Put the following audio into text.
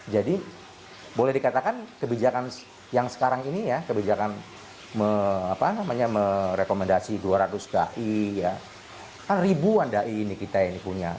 jadi boleh dikatakan kebijakan yang sekarang ini ya kebijakan merekomendasi dua ratus da'i kan ribuan da'i ini kita punya